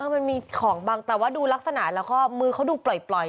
มันมีของบังแต่ว่าดูลักษณะแล้วก็มือเขาดูปล่อย